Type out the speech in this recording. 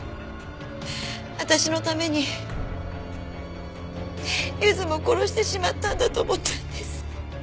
私のためにゆずも殺してしまったんだと思ったんです。